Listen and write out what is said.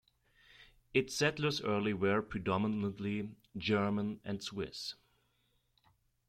Its settlers early were predominantly German and Swiss.